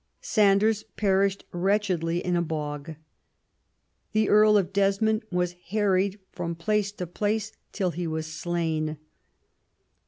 Sanders perished wretchedly in a bog. The Earl of Desmond was harried from place to place till he was slain.